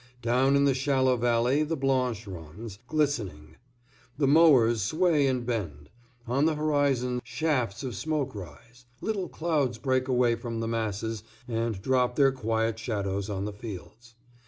Down in the shallow valley the Blanche runs, glistening; the mowers sway and bend; on the horizon shafts of smoke rise, little clouds break away from the masses and drop their quiet shadows on the fields.